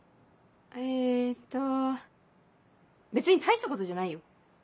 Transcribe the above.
えっと別に大したことじゃないよ。